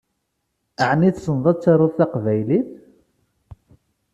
Ɛni tessneḍ ad taruḍ taqbaylit?